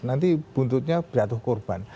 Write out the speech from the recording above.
nanti buntutnya beratuh korban